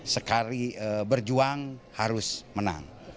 sekali berjuang harus menang